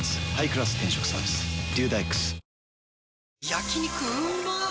焼肉うまっ